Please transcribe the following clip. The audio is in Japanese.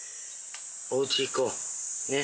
おうち行こう。